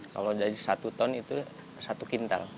kalau dari satu ton itu satu kintal